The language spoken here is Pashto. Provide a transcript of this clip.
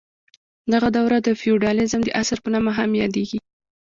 دغه دوره د فیوډالیزم د عصر په نامه هم یادیږي.